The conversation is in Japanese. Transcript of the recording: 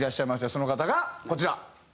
その方がこちら。